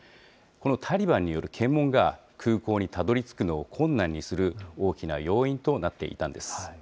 このタリバンによる検問が、空港にたどりつくのを困難にする大きな要因となっていたんです。